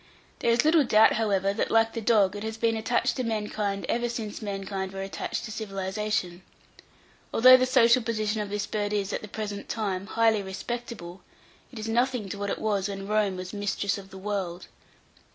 There is little doubt, however, that, like the dog, it has been attached to mankind ever since mankind were attached to civilization. Although the social position of this bird is, at the present time, highly respectable, it is nothing to what it was when Rome was mistress of the world.